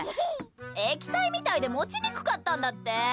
液体みたいで持ちにくかったんだって！